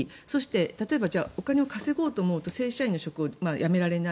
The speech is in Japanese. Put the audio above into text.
例えば、お金を稼ごうと思うと正社員の職を辞められない。